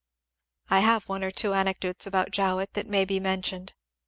I have one or two anecdotes about Jowett that may be men tioned.